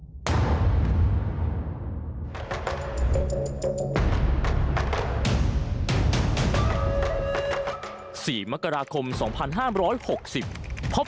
สวัสดีครับ